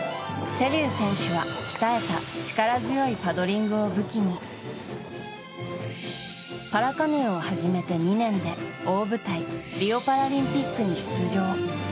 瀬立選手は鍛えた力強いパドリングを武器にパラカヌーを始めて２年で大舞台リオパラリンピックに出場。